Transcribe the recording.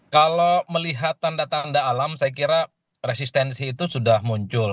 kalau melihat tanda tanda alam saya kira resistensi itu sudah muncul